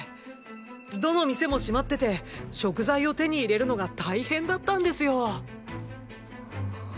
どの店も閉まってて食材を手に入れるのが大変だったんですよぅ！